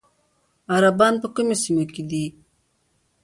عربان په کومو سیمو کې دي؟